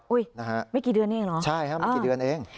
อุ๊ยไม่กี่เดือนเองหรอใช่ครับไม่กี่เดือนเองอ่า